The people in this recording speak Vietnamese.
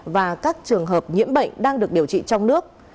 và các trường hợp nhiễm bệnh đang được điều trị trong nước